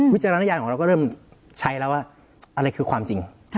จารณญาณของเราก็เริ่มใช้แล้วว่าอะไรคือความจริง